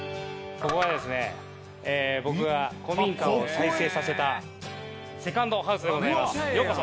ここは僕が古民家を再生させたセカンドハウスでございますようこそ！